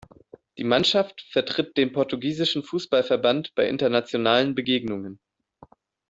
Die Mannschaft vertritt den portugiesischen Fußballverband bei internationalen Begegnungen.